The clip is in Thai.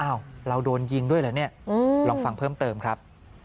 เราโดนยิงด้วยเหรอเนี่ยลองฟังเพิ่มเติมครับ